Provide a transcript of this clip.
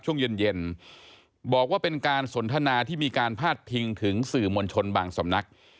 ช่วงเย็นบอกว่าเป็นการสนทนาที่มีการพาดพิงถึงสื่อมวลชนบางสำนัก